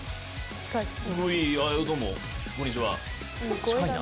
近いな。